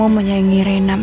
saya juga suka renyah